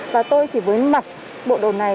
và tôi chỉ mới mặc bộ đồ này